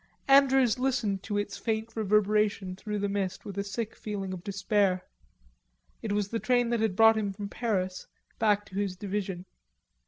Andrews listened to its faint reverberation through the mist with a sick feeling of despair. It was the train that had brought him from Paris back to his division.